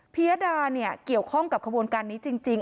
ยดาเนี่ยเกี่ยวข้องกับขบวนการนี้จริง